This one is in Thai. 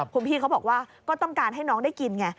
คุณพี่เขาบอกว่าก็ต้องการให้น้องได้กินไง